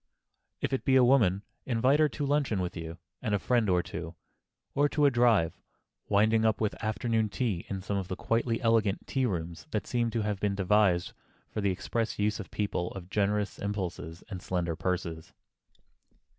If it be a woman, invite her to luncheon with you and a friend or two, or to a drive, winding up with afternoon tea in some of the quietly elegant tea rooms that seem to have been devised for the express use of people of generous impulses and slender purses.